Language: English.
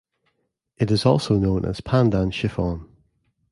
It is also known as pandan chiffon.